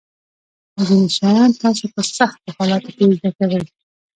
ځینې شیان تاسو په سختو حالاتو کې زده کوئ.